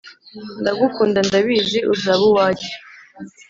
ndagukunda ndabizi uzabuwajye